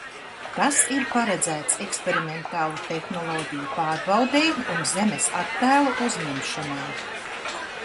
Tas ir paredzēts eksperimentālu tehnoloģiju pārbaudei un Zemes attēlu uzņemšanai.